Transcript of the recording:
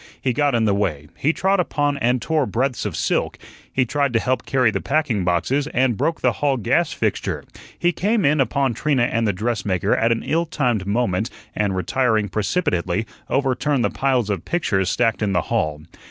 He got in the way; he trod upon and tore breadths of silk; he tried to help carry the packing boxes, and broke the hall gas fixture; he came in upon Trina and the dress maker at an ill timed moment, and retiring precipitately, overturned the piles of pictures stacked in the hall.